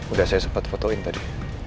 udah saya sempat fotoin tadi